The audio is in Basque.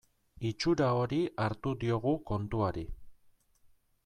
Itxura hori hartu diogu kontuari.